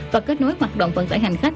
và kết nối hoạt động vận tải hành khách